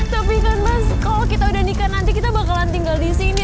tapi kan mas kalau kita udah nikah nanti kita bakalan tinggal di sini